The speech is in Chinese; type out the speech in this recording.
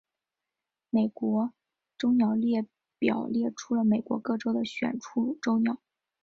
美国州鸟列表列出了美国各州的选出州鸟。